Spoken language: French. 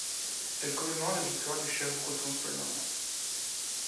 Elle commémore la victoire du chef breton sur les Normands.